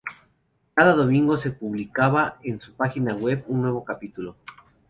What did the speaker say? Cada domingo se publicaba en su página web un nuevo capítulo.